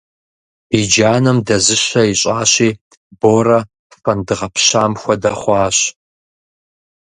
И джанэм дэзыщэ ищӏащи, Борэ фэнд гъэпщам хуэдэ хъуащ.